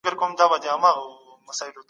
د مځکي پر مخ تر ټولو ښه شی مینه ده.